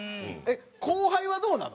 後輩はどうなの？